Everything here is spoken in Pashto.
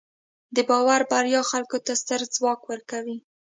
د باور بریا خلکو ته ستر ځواک ورکوي.